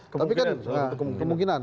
kemungkinan soh kemungkinan